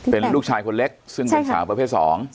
เป็นลูกชายคนเล็กซึ่งเป็นสาวประเภท๒